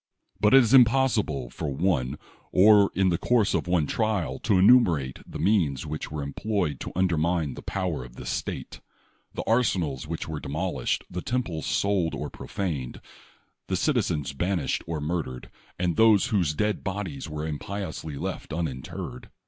But it is impossible for one, or in the course of one trial, to enumerate the means which were THE WORLD'S FAMOUS ORATIONS employed to undermine the power of this state, the arsenals which were demolished, the temples sold or profaned, the citizens banished or mur dered, and those whose dead bodies were im piously left uninterred.